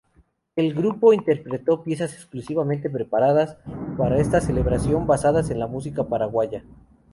El grupo interpretó piezas exclusivamente preparadas para esta celebración, basadas en la música paraguaya.